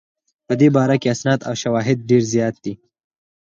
په دې باره کې اسناد او شواهد ډېر زیات دي.